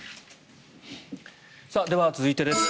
では続いてです。